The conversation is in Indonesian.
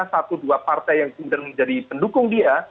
satu dua partai yang kemudian menjadi pendukung dia